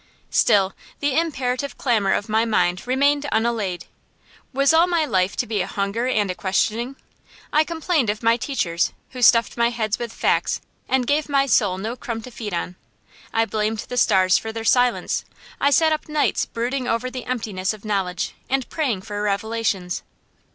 Still the imperative clamor of my mind remained unallayed. Was all my life to be a hunger and a questioning? I complained of my teachers, who stuffed my head with facts and gave my soul no crumb to feed on. I blamed the stars for their silence. I sat up nights brooding over the emptiness of knowledge, and praying for revelations.